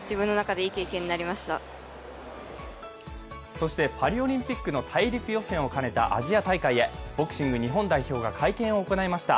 そしてパリオリンピックの大陸予選を兼ねたアジア大会へボクシング日本代表が会見を行いました。